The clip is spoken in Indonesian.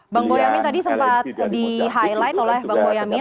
bang boyamin tadi sempat di highlight oleh bang boyamin